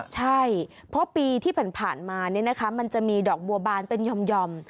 ใช่เพราะปีที่ผ่านมามันจะมีดอกบัวบานเป็นหย่อม